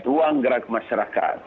uang gerak masyarakat